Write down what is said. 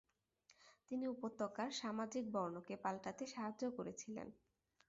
তিনি উপত্যকার সামাজিক বর্ণকে পাল্টাতে সাহায্য করেছিলেন।